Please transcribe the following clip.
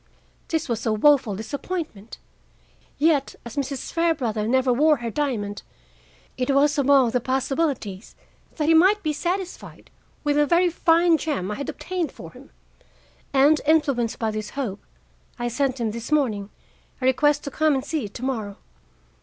This was a woeful disappointment; yet, as Mrs. Fairbrother never wore her diamond, it was among the possibilities that he might be satisfied with the very fine gem I had obtained for him, and, influenced by this hope, I sent him this morning a request to come and see it tomorrow.